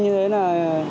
như thế là